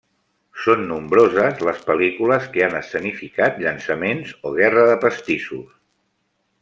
Són nombroses les pel·lícules que han escenificat llançaments o guerra de pastissos.